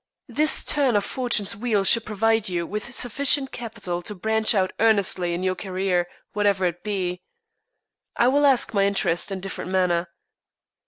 This turn of Fortune's wheel should provide you with sufficient capital to branch out earnestly in your career, whatever it be. I will ask my interest in different manner."